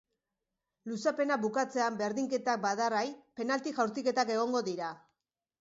Luzapena bukatzean berdinketak badarrai, penalti jaurtiketak egongo dira.